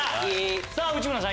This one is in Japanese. さぁ内村さん